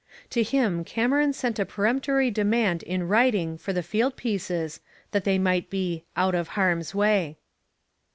To him Cameron sent a peremptory demand in writing for the field pieces, that they might be 'out of harm's way.'